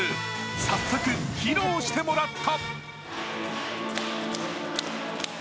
早速、披露してもらった。